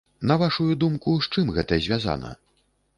На вашую думку, з чым гэта звязана?